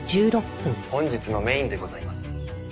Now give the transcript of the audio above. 本日のメインでございます。